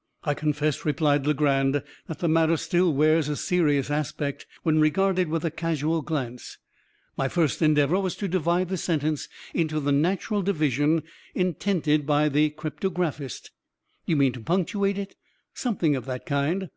'" "I confess," replied Legrand, "that the matter still wears a serious aspect, when regarded with a casual glance. My first endeavor was to divide the sentence into the natural division intended by the cryptographist." "You mean, to punctuate it?" "Something of that kind."